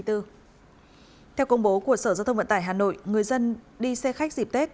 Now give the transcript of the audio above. theo công bố của sở giao thông vận tải hà nội người dân đi xe khách dịp tết